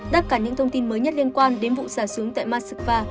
tất cả những thông tin mới nhất liên quan đến vụ xả súng tại moskva